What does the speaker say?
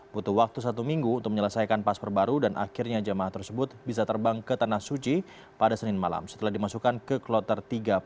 butuh waktu satu minggu untuk menyelesaikan paspor baru dan akhirnya jemaah tersebut bisa terbang ke tanah suci pada senin malam setelah dimasukkan ke kloter tiga puluh